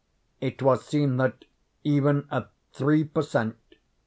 It was seen that, even at three per cent.